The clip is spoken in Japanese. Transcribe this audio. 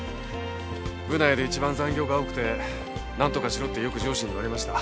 部内で一番残業が多くて何とかしろってよく上司に言われました。